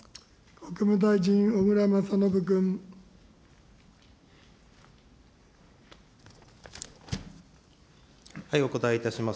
国務大臣、お答えいたします。